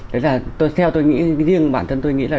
đấy là theo tôi nghĩ riêng bản thân tôi nghĩ là